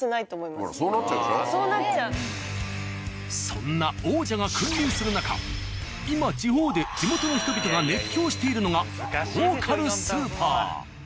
そんな王者が君臨する中今地方で地元の人々が熱狂しているのがローカルスーパー。